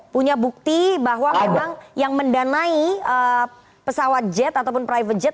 punya bukti bahwa memang yang mendanai pesawat jet ataupun private jet